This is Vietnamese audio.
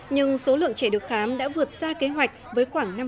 nhưng số lượng trẻ được khám đã vượt xa kế hoạch với khoảng năm mươi